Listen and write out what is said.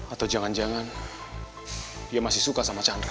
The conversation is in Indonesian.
atau jangan jangan dia masih suka sama chandra